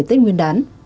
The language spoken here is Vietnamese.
đến nguyên đán